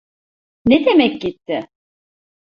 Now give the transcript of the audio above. Ne demek gitti?